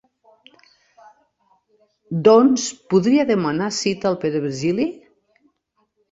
Doncs podria demanar cita al Pere Virgili?